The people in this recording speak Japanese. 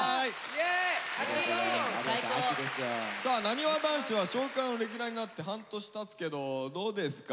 さあなにわ男子は「少クラ」のレギュラーになって半年たつけどどうですか？